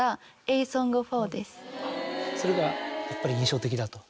それがやっぱり印象的だと。